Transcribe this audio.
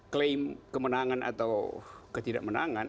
klaim kemenangan atau ketidakmenangan